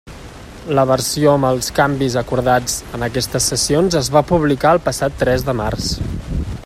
La versió amb els canvis acordats en aquestes sessions es va publicar el passat tres de març.